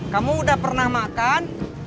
kamu udah pernah makan